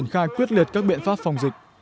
và quyết liệt các biện pháp phòng dịch